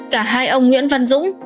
cả hai ông nguyễn văn dũng